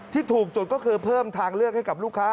ที่ถูกจุดก็คือเพิ่มทางเลือกให้กับลูกค้า